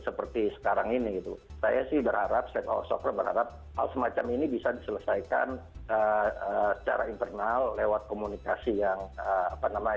saya sih berharap set of software berharap hal semacam ini bisa diselesaikan secara internal lewat komunikasi yang apa namanya